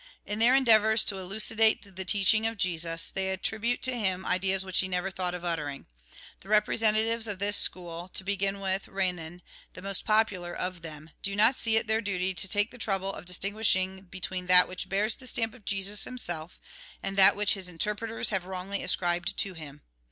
In their endeavours to elucidate the teaching of Jesus, they attribute to him ideas which he never thought of uttering. The representatives of this school, to begin with Eenan, the most popular of them, do not see it their duty to take the trouble of distin guishing between that which bears the stamp of AUTHOR'S PREFACE 17 Jesus himself and that which his interpreters have wrongly ascribed to him.